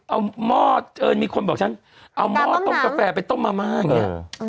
เอาหม้อเอิญมีคนบอกฉันเอาหม้อต้มกาแฟไปต้มมะม่าอย่างนี้